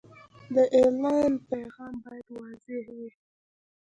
د اعلان پیغام باید واضح وي.